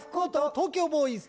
東京ボーイズ！